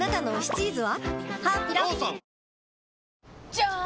じゃーん！